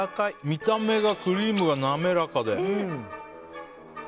見た目が、クリームが滑らかで。